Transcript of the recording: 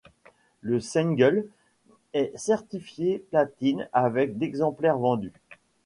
Le single est certifié platine avec d'exemplaires vendus.